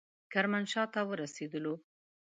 کرمانشاه ته ورسېدلو.